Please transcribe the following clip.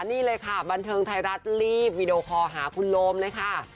นี่เลยค่ะบันเทิงไทยรัฐรีบวีดีโอคอลหาคุณโรมเลยค่ะ